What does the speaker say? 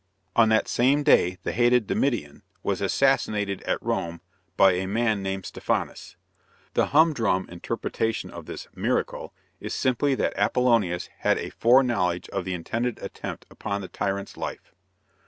On that same day, the hated Domitian was assassinated at Rome by a man named Stephanus. The humdrum interpretation of this "miracle" is simply that Apollonius had a foreknowledge of the intended attempt upon the tyrant's life.